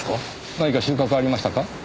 何か収穫はありましたか？